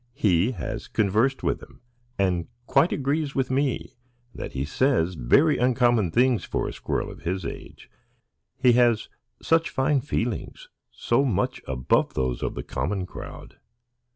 He has conversed with him, and quite agrees with me that he says very uncommon things for a squirrel of his age; he has such fine feelings,—so much above those of the common crowd."